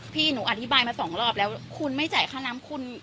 พี่หนูอธิบายมาสองรอบแล้วคุณไม่จ่ายค่าน้ำคุณ